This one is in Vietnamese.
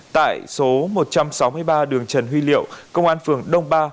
tại số một trăm sáu mươi ba đường trần huy liệu công an phường đông ba